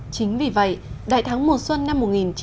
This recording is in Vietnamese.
chính vì vậy đại thắng mùa xuân năm một nghìn chín trăm bảy mươi năm